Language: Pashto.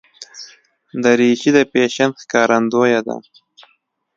دریشي د فیشن ښکارندویه ده.